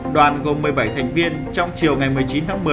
đoàn gồm một mươi bảy thành viên trong chiều ngày một mươi chín tháng một mươi